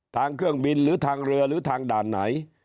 ทางเครื่องบินหรือทางเรือหรือทางด่านไหน